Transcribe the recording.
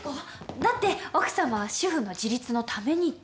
だって奥様は主婦の自立のためにって。